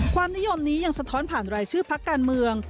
ความนิยมนี้ยังสะท้อนผ่านรายชื่อพักการเมือง